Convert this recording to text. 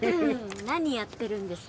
何やってるんですか？